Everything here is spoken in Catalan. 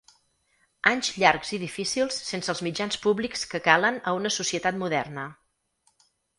Anys llargs i difícils sense els mitjans públics que calen a una societat moderna.